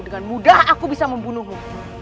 dengan mudah aku bisa membunuhmu